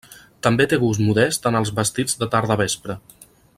També té gust modest en els vestits de tarda vespre.